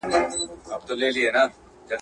او پر ښکلې نوراني ږیره به توی کړي.